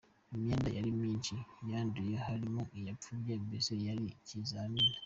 Imyenda yari myinshi, yanduye harimo iyapfubye mbese cyari ikizami.